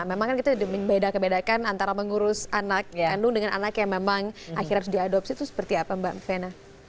memang kan kita membedakan bedakan antara mengurus anak kandung dengan anak yang memang akhirnya harus diadopsi itu seperti apa mbak vena